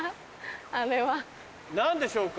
あれは。何でしょうか？